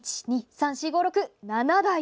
１、２、３、４、５、６、７台！